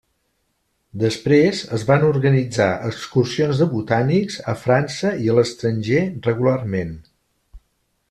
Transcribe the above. Després, es van organitzar excursions de botànics, a França i a l'estranger, regularment.